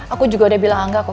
aku juga udah bilang angga kok